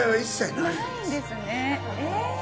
ないんですねえっ！？